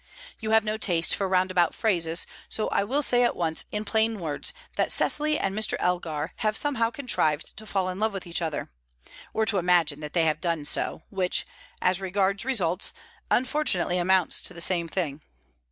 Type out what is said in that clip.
You have no taste for roundabout phrases, so I will say at once in plain words that Cecily and Mr. Elgar have somehow contrived to fall in love with each other or to imagine that they have done so, which, as regards results, unfortunately amounts to the same thing.